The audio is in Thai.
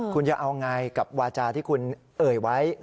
คุณจะเอาไงกับวาจาที่คุณเอ่ยไว้